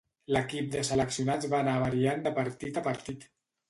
L'equip de seleccionats va anar variant de partit a partit.